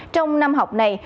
trong năm học này